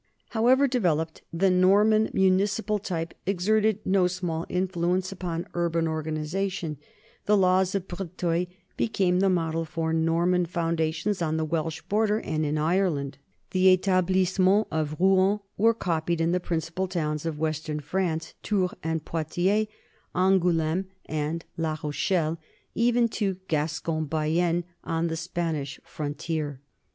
However developed, the Norman municipal type exerted no small influence upon urban organization : the laws of Breteuil became the model for Norman founda tions on the Welsh border and in Ireland ; the tablisse ments of Rouen were copied in the principal towns of western France, Tours and Poitiers, Angoulme and NORMAN LIFE AND CULTURE 161 La Rochelle, even to Gascon Bayonne on the Spanish frontier.